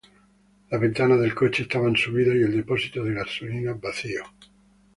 Las ventanas del coche estaba subidas y el depósito de gasolina vacío.